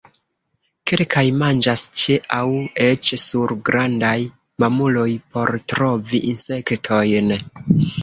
Kelkaj manĝas ĉe aŭ eĉ sur grandaj mamuloj por trovi insektojn.